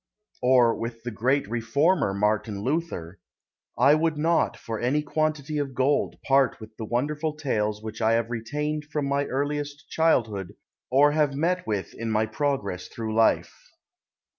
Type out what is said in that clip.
Or with the great Reformer, Martin Luther "I would not for any quantity of gold part with the wonderful tales which I have retained from my earliest childhood or have met with in my progress through life."